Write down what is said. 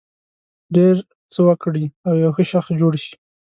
ډېر څه وکړي او یو ښه شخص جوړ شي.